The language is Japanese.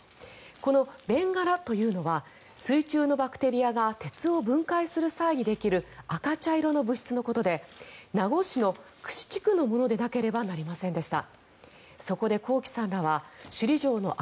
この弁柄というのは水中のバクテリアが鉄を分化する際にできる赤茶色の物質のことで名護市のクチャのものでなければなりませんでした。